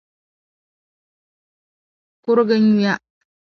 kurigi nyuya.